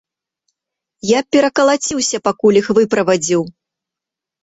Я перакалаціўся, пакуль іх выправадзіў.